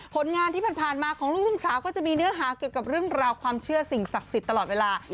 ผลงานที่ผ่านมาของลูกทุ่งสาวก็จะมีเนื้อหาเกี่ยวกับเรื่องราวความเชื่อสิ่งศักดิ์สิทธิ์ตลอดเวลา